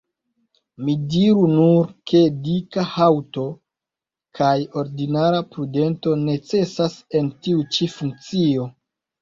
Mi diru nur, ke dika haŭto kaj ordinara prudento necesas en tiu ĉi funkcio.